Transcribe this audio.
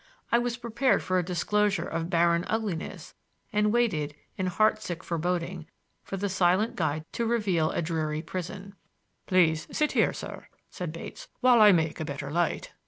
I was prepared for a disclosure of barren ugliness, and waited, in heartsick foreboding, for the silent guide to reveal a dreary prison. "Please sit here, sir," said Bates, "while I make a better light."